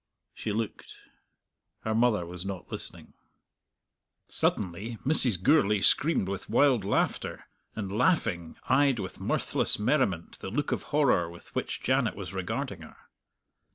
She looked. Her mother was not listening. Suddenly Mrs. Gourlay screamed with wild laughter, and, laughing, eyed with mirthless merriment the look of horror with which Janet was regarding her.